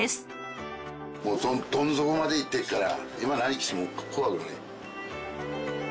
もうどん底までいってるから今何来ても怖くない。